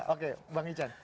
oke bang ican